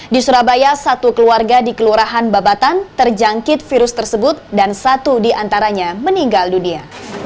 di surabaya satu keluarga di kelurahan babatan terjangkit virus tersebut dan satu diantaranya meninggal dunia